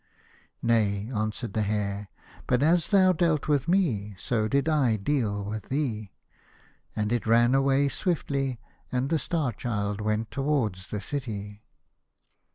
" Nay," answered the Hare, " but as thou dealt with me, so I did deal with thee," and The Star Child. it ran away swiftly, and the Star Child went towards the city.